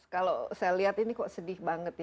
kalau saya lihat ini kok sedih banget ya